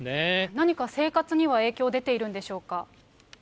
何か生活には影響出ているんでしょうか。